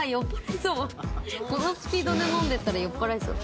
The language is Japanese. このスピードで飲んでったら酔っぱらいそう。